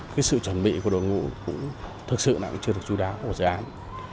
cái sự chuẩn bị của đội ngũ cũng thực sự chưa được chú đáo của dự án